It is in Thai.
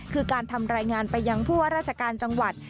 คือการทำรายงานไปยังผู้ว่าราชการจังหวัด